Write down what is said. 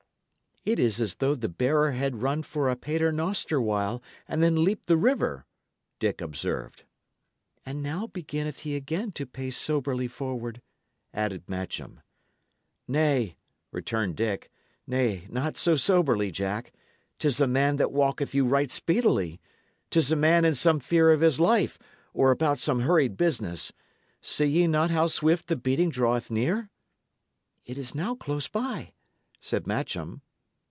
"It is as though the bearer had run for a pater noster while, and then leaped the river," Dick observed. "And now beginneth he again to pace soberly forward," added Matcham. "Nay," returned Dick "nay, not so soberly, Jack. 'Tis a man that walketh you right speedily. 'Tis a man in some fear of his life, or about some hurried business. See ye not how swift the beating draweth near?" "It is now close by," said Matcham.